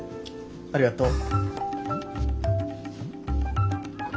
ありがとう。